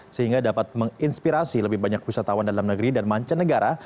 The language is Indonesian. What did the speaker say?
sehingga dapat menginspirasi lebih banyak wisatawan dalam negeri dan mancanegara